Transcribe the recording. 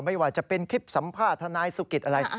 ไม่ว่าจะเป็นคลิปสัมภาษณ์ทนายสุกิตอะไร